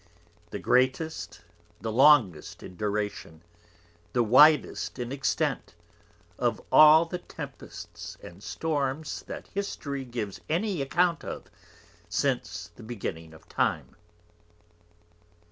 _ The Greatest, the Longest in Duration, the widest in Extent, of all the Tempests and Storms that History gives any Account of since the Beginning of Time.